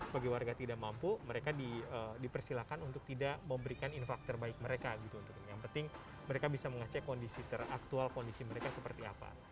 bagi warga tidak mampu mereka dipersilakan untuk tidak memberikan infak terbaik mereka yang penting mereka bisa mengecek kondisi teraktual kondisi mereka seperti apa